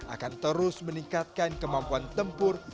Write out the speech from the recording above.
akan terus meningkatkan kemampuan tempur